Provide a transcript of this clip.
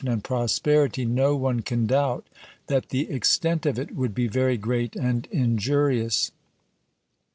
and prosperity, no one can doubt that the extent of it would be very great and injurious.